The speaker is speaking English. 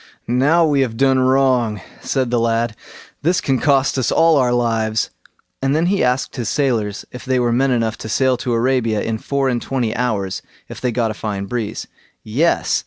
"Now we have done wrong", said the lad; "this can cost us all our lives"; and then he asked his sailors if they were men enough to sail to Arabia in four and twenty hours if they got a fine breeze. Yes!